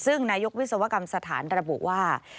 ซึ่งนายกวิศวกรรมสถานระบุว่า